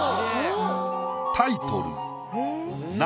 タイトル。